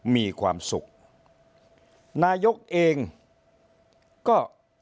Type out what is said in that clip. มีความสุขนายกเองก็